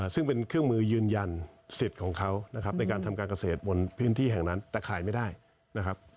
ซึ่งเป็นเครื่องมือยืนยันสิทธิ์ของเขานะครับในการทำการเกษตรบนพื้นที่แห่งนั้นแต่ขายไม่ได้นะครับ